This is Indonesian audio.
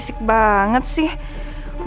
aku mau tau ibu